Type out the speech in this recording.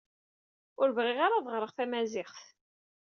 Ur bɣiɣ ara ad ɣreɣ tamaziɣt.